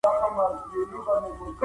ډاکټر اوس هم دا خبره تکراروي.